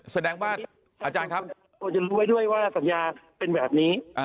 แสดงว่าอาจารย์ครับควรจะรู้ไว้ด้วยว่าสัญญาเป็นแบบนี้